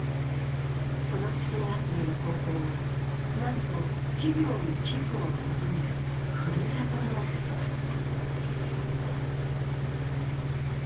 その資金集めの方法は、なんと企業に寄付を求める、ふるさと納税だった。